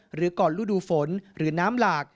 หรือก่อนฤดูฝนหรือน้ำหลาก